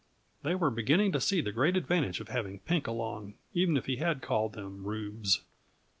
They were beginning to see the great advantage of having Pink along, even if he had called them Rubes.